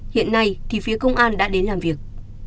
hiện nay phía công an đã đến làm việc